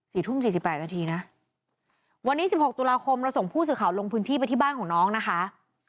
ทุ่มสี่สิบแปดนาทีนะวันนี้สิบหกตุลาคมเราส่งผู้สื่อข่าวลงพื้นที่ไปที่บ้านของน้องนะคะ